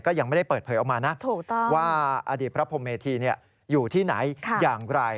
ก็ยังไม่ได้เปิดเผยออกมานะว่าอดีตพระพรมเมธีอยู่ที่ไหนอย่างไร